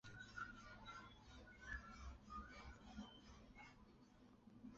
抗战胜利后车站复名徐州站至今。